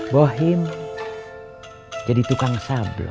bohim jadi tukang sablon